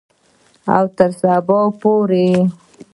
او تر سبا پورې.